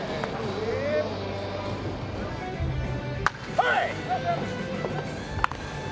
はい！